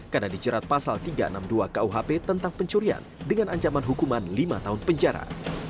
karena dicerat pasal tiga ratus enam puluh dua kuhp tentang pencurian dengan ancaman hukuman lima tahun penjara